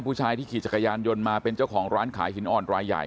ผู้ชายที่ขี่จักรยานยนต์มาเป็นเจ้าของร้านขายหินอ่อนรายใหญ่